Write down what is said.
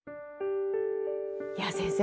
先生